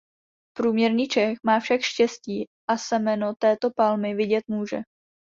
Průměrný Čech má však štěstí a semeno této palmy vidět může.